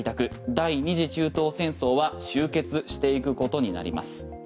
第２次中東戦争は終結していくことになります。